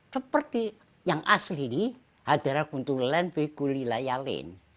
seperti yang asli ini hadhorah kuntulalan fi kulli layalin